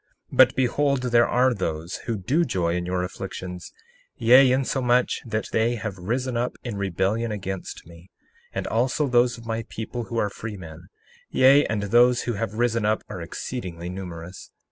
61:3 But behold, there are those who do joy in your afflictions, yea, insomuch that they have risen up in rebellion against me, and also those of my people who are freemen, yea, and those who have risen up are exceedingly numerous.